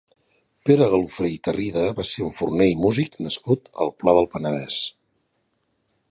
Pere Galofré i Tarrida va ser un forner i músic nascut al Pla del Penedès.